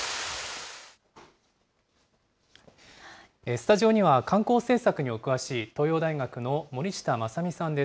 スタジオには、観光政策にお詳しい東洋大学の森下晶美さんです。